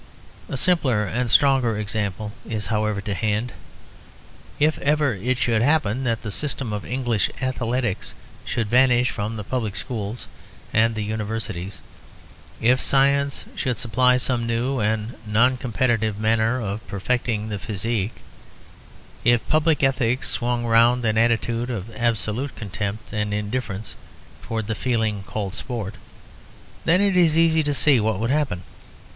A simpler and stronger example is, however, to hand. If ever it should happen that the system of English athletics should vanish from the public schools and the universities, if science should supply some new and non competitive manner of perfecting the physique, if public ethics swung round to an attitude of absolute contempt and indifference towards the feeling called sport, then it is easy to see what would happen.